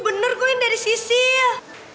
bener kok ini dari sisil